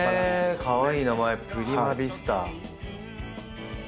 かわいい名前プリマヴィスタ。